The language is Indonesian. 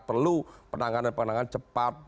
perlu penanganan penanganan cepat